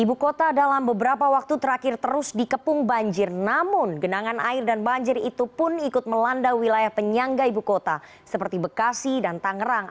ibu kota dalam beberapa waktu terakhir terus dikepung banjir namun genangan air dan banjir itu pun ikut melanda wilayah penyangga ibu kota seperti bekasi dan tangerang